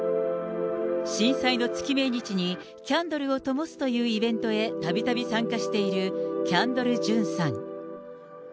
震災の月命日に、キャンドルをともすというイベントへたびたび参加しているキャンドル・ジュンさん。